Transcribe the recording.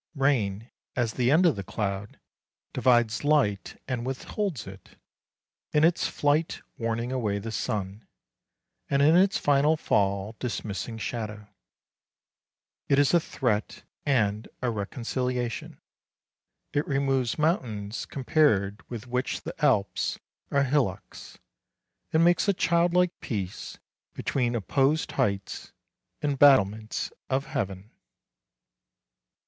Rain, as the end of the cloud, divides light and withholds it; in its flight warning away the sun, and in its final fall dismissing shadow. It is a threat and a reconciliation; it removes mountains compared with which the Alps are hillocks, and makes a childlike peace between opposed heights and battlements of heaven.